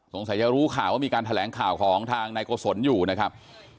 สงสัยจะรู้ข่าวว่ามีการแถลงข่าวของทางนายโกศลอยู่นะครับ